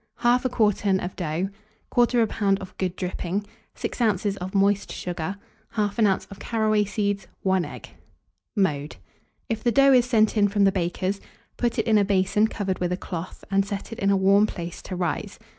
1/2 quartern of dough, 1/4 lb. of good dripping, 6 oz. of moist sugar, 1/2 oz. of caraway seeds, 1 egg. Mode. If the dough is sent in from the baker's, put it in a basin covered with a cloth, and set it in a warm place to rise.